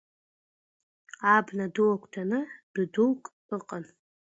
Абна ду агәҭаны дәы дук ыҟан.